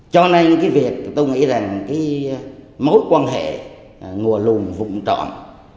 cho nên cái việc tôi nghĩ rằng cái mối quan hệ ngùa lùn vụng trọn